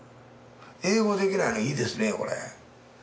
英語できないのいいですねこれ。